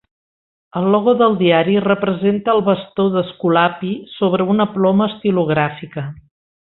El logo del diari representa el Bastó d'Esculapi sobre una ploma estilogràfica.